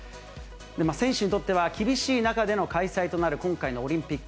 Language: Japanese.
選手にとっては厳しい中での開催となる今回のオリンピック。